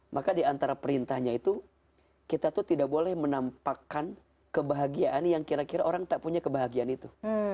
maka diantara perintahnya itu kita tuh tidak boleh menampakkan kebahagiaan yang kira kira orang tak punya kebahagiaan itu